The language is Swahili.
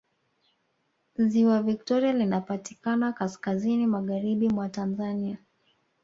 Ziwa Viktoria linapatikanankaskazini Magharibi mwa Tanzania